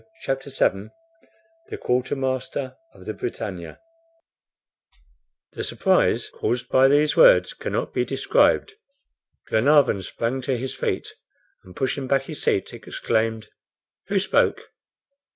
CHAPTER VII THE QUARTERMASTER OF THE "BRITANNIA" THE surprise caused by these words cannot be described. Glenarvan sprang to his feet, and pushing back his seat, exclaimed: "Who spoke?"